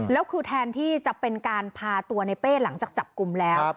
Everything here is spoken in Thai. แล้วคือแทนที่จะเป็นการพาตัวในเป้หลังจากจับกลุ่มแล้ว